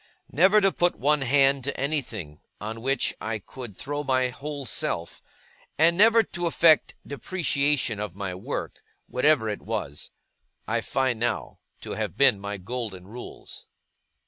Never to put one hand to anything, on which I could throw my whole self; and never to affect depreciation of my work, whatever it was; I find, now, to have been my golden rules.